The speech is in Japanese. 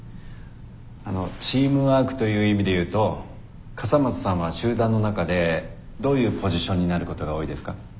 あのチームワークという意味で言うと笠松さんは集団の中でどういうポジションになることが多いですか？